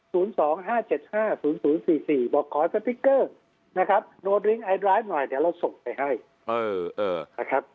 ๐๒๕๗๕๐๐๔๔บอกขอสติ๊กเกอร์โรดลิงค์ไอดรายด์หน่อยเดี๋ยวเราส่งไปให้